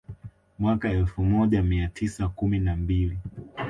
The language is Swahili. Mwaka wa elfu moja mia tisa kumi na mbili